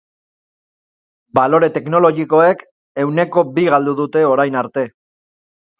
Balore teknologikoek ehuneko bi galdu dute orain arte.